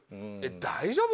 大丈夫？